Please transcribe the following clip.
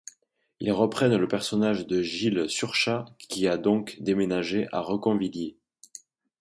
Ils reprennent le personnage de Gilles Surchat qui a donc déménagé à Reconvilier.